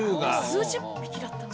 数十匹だったのに。